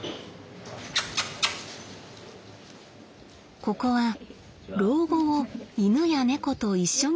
ここは老後を犬や猫と一緒に過ごせる施設。